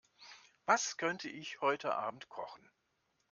Was könnte ich heute Abend kochen?